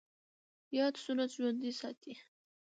ياد سنت ژوندی ساتي